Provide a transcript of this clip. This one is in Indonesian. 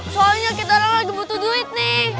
soalnya kita lagi butuh duit nih